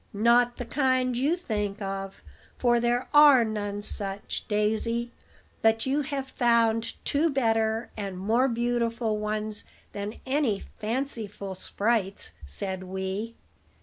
"Not the kind you think of, for there are none such, Daisy; but you have found two better and more beautiful ones than any fanciful sprites," said Wee.